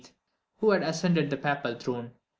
who had just ascended the papal throne.